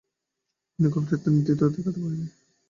তিনি খুব একটা কৃতিত্ব দেখাতে পারেন নি।